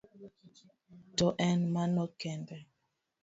To en mano kende?